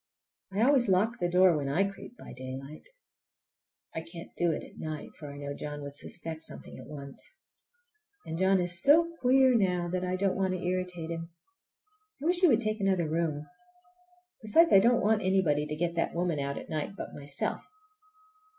I always lock the door when I creep by daylight. I can't do it at night, for I know John would suspect something at once. And John is so queer now, that I don't want to irritate him. I wish he would take another room! Besides, I don't want anybody to get that woman out at night but myself.